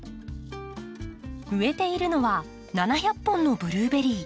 植えているのは７００本のブルーベリー。